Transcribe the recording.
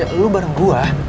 ya lu bareng gue